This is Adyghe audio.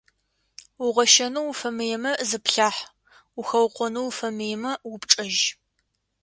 Угъощэнэу уфэмыемэ, зыплъахь, ухэукъонэу уфэмыемэ, упчӏэжь.